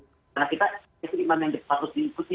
karena kita itu imam yang harus diikuti